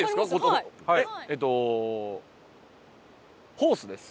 ホースです。